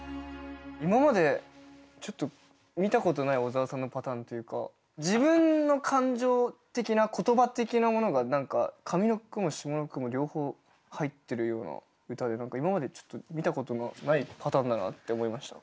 今までちょっと見たことない小沢さんのパターンというか自分の感情的な言葉的なものが何か上の句も下の句も両方入ってるような歌で何か今までちょっと見たことのないパターンだなって思いました。